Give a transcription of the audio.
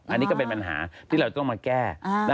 อันนี้ก็เป็นปัญหาที่เราต้องมาแก้